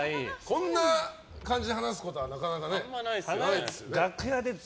こんな感じで話すことはなかなかないですよね。